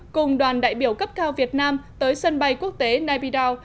cùng đoàn đại biểu cấp cao việt nam tới sân bay quốc tế naivida